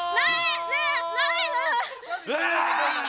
うわ！